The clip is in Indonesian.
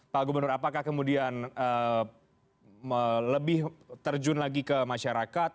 pak gubernur apakah kemudian lebih terjun lagi ke masyarakat